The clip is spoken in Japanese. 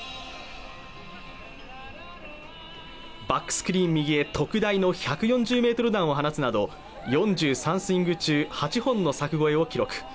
バックスクリーン右へ特大の１４０メートル弾を放つなど４３スイング中８本の柵越えを記録